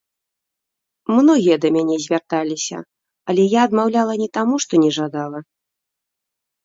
Многія да мяне звярталіся, але я адмаўляла не таму, што не жадала.